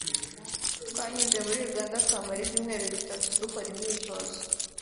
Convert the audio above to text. twanyuze muri Uganda tuhamara ibyumweru bitatu dukora imyitozo